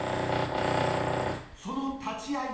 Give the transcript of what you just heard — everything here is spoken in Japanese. その立ち合い。